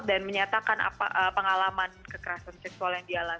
dan menyatakan pengalaman kekerasan seksual